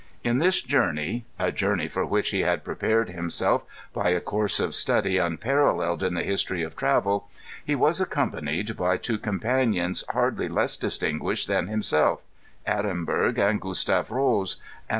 In this journey — a journey for which he had prepared himself by a course of study unparalleled in the history of travel — ^he was accompanied by two companions hardly less distinguished than himself, Ehrenberg and Gustav Rose, and TRANSLATOR S PREFACE.